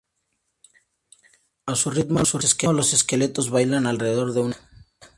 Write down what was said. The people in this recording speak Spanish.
A su ritmo, los esqueletos bailan alrededor de una tumba.